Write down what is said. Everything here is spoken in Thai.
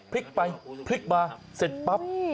พลิกไปพลิกมาเสร็จปั๊บ